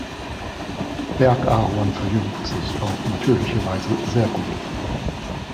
Berg-Ahorn verjüngt sich auf natürliche Weise sehr gut.